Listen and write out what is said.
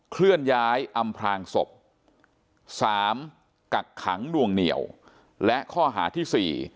เคลื่อนย้ายอำพลางศพสามกักขังนวงเหนียวและข้อหาที่สี่